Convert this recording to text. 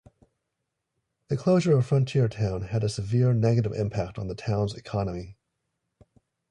The closure of Frontier Town had a severe negative impact on the town's economy.